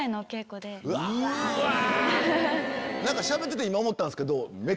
しゃべってて今思ったんすけど。